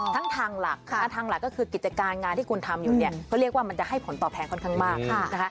ทางหลักทางหลักก็คือกิจการงานที่คุณทำอยู่เนี่ยเขาเรียกว่ามันจะให้ผลตอบแทนค่อนข้างมากนะคะ